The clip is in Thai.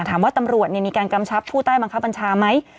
ถามว่าตำรวจนี่มีการกำชับผู้ใต้บังคับอัญชาไหม